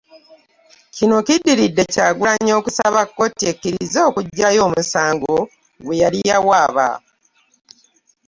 Kino kiddiridde Kyagulanyi okusaba kkooti ekkirize okuggyayo omusango gwe yali yawaaba